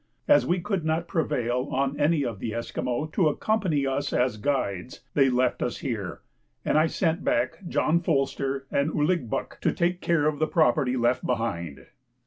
As we could not prevail on any of the Esquimaux to accompany us as guides, they left us here, and I sent back John Folster and Ouligbuck to take care of the property left behind.